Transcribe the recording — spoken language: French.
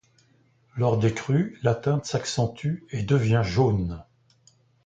Lors des crues, la teinte s'accentue et devient jaune.